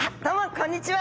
こんにちは。